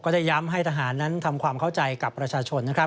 ได้ย้ำให้ทหารนั้นทำความเข้าใจกับประชาชนนะครับ